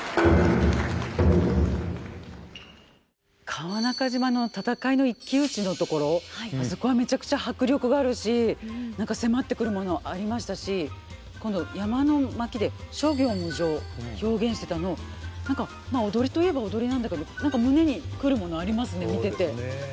川中島の戦いの一騎打ちのところあそこはめちゃくちゃ迫力があるし何か迫ってくるものありましたし今度「山の巻」で「諸行無常」表現してたの何かまあ踊りといえば踊りなんだけど何か胸に来るものありますね見てて。